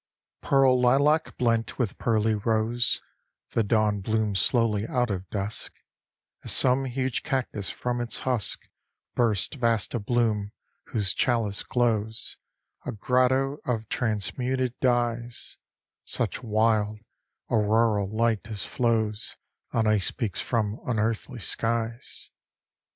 XVI Pearl lilac blent with pearly rose, The dawn bloomed slowly out of dusk, As some huge cactus from its husk Bursts vast a bloom whose chalice glows A grotto of transmuted dyes; Such wild, auroral light as flows On ice peaks from unearthly skies.